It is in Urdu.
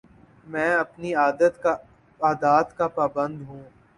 میں اپنی عادات کا پابند ہوں